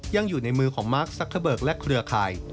ยังอยู่ในมือของมาร์คซักเกอร์เบิกและเครือข่าย